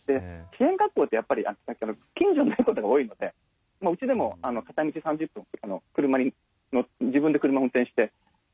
支援学校ってやっぱり近所にないことが多いのでうちでも片道３０分自分で車を運転して行きますのでね